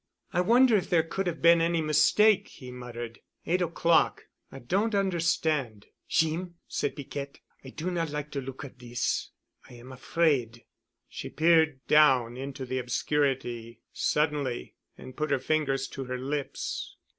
"I wonder if there could have been any mistake," he muttered. "Eight o'clock. I don't understand——" "Jeem," said Piquette, "I do not like de look of dis. I am afraid——" She peered down into the obscurity suddenly and put her fingers to her lips.